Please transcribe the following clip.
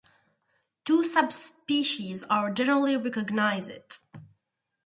Two subspecies are generally recognized.